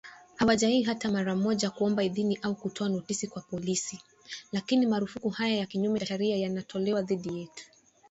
Hawajawahi hata mara moja kuomba idhini au kutoa notisi kwa polisi, lakini marufuku haya ya kinyume cha sharia yanatolewa dhidi yetu.